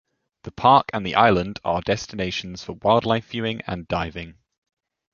The park and the island are destinations for wildlife viewing and diving.